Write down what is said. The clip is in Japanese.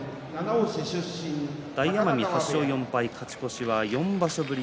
大奄美、８勝４敗勝ち越しは４場所ぶり。